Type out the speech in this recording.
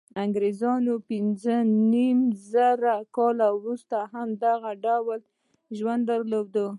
انګرېزانو پنځه نیم زره کاله وروسته هم دغه ډول ژوند درلود.